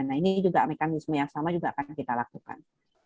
nah ini juga mekanisme yang sama juga akan kita lakukan